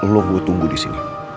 lo gue tunggu disini